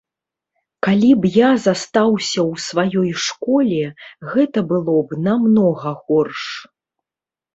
Калі б я застаўся ў сваёй школе, гэта было б намнога горш.